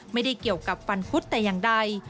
ไม่ได้เกี่ยวกับฟันพุธแต่อย่างใด